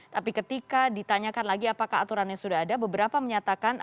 tapi ketika ditanyakan lagi apakah aturannya sudah ada beberapa menyatakan